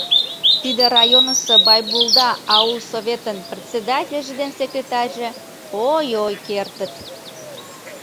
Тиде районысо Байбулда аулсоветын председательже ден секретарьже, ой-ой, кертыт!